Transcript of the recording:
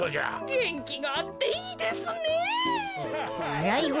げんきがあっていいですねえ。